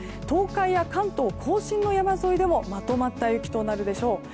東海や関東・甲信の山沿いでもまとまった雪となるでしょう。